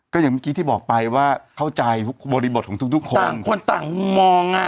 ก็อย่างเมื่อกี้ที่บอกไปว่าเข้าใจบริบทของทุกทุกคนต่างคนต่างมองอ่ะ